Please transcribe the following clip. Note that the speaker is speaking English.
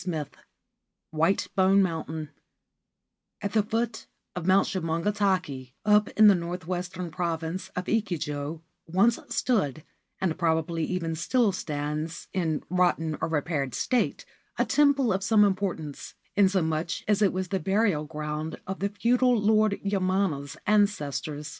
214 XXXV WHITE BONE MOUNTAIN AT the foot of Mount Shumongatake, up in the north western province of Echigo, once stood, and probably even still stands in rotten or repaired state, a temple of some importance, inasmuch as it was the burial ground of the feudal Lord Yamana's ancestors.